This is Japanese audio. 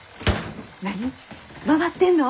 何回ってんの？